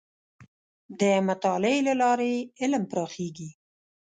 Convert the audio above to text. د مطالعې له لارې علم پراخېږي.